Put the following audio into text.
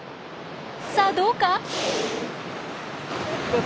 さあどうか？